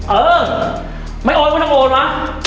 เออไม่โอนไม่ต้องโอนวะ